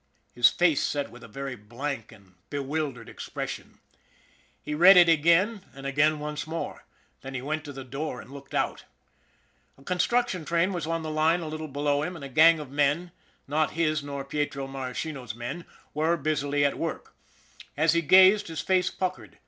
His 122 ON THE IRON AT BIG CLOUD face set with a very blank and bewildered expression. He read it again, and again once more. Then he went to the door and looked out. A construction train was on the line a little below him, and a gang of men, not his nor Pietro Maras chino's men, were busily at work. As he gazed, his face puckered.